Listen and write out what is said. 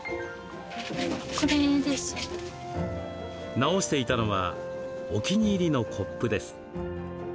直していたのはお気に入りのコップです。